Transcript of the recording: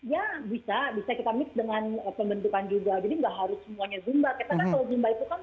ya bisa bisa kita mix dengan pembentukan juga